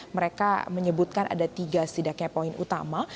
mereka menyebutkan ada tiga setidaknya poin utama